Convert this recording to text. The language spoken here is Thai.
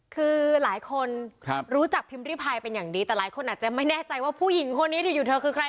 คือหลายคนรู้จักพิมพ์ริพายเป็นอย่างดีแต่หลายคนอาจจะไม่แน่ใจว่าผู้หญิงคนนี้ที่อยู่เธอคือใคร